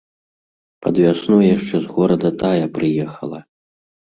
Пад вясну яшчэ з горада тая прыехала.